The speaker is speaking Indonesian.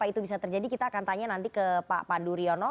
itu bisa terjadi kita akan tanya nanti ke pak pandu riono